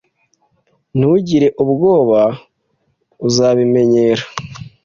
Ntugire ubwoba. Uzabimenyera.